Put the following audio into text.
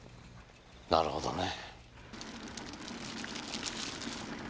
なるほどね。